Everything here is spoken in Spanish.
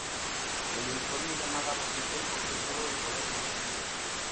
El uniforme llamaba la atención por ser todo de color negro.